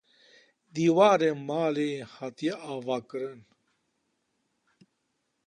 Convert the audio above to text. Dîwarê malê hatiye avakirin